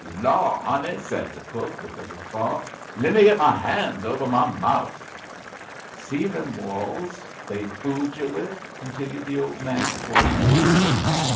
"Law, honey!" said the cook, with a guffaw, "lemme git my han's over my mouf." "See them walls they fooled yer with!" continued the old man, pointing with his stick.